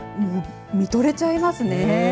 見とれちゃいますね。